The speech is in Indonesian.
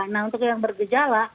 nah untuk yang bergejala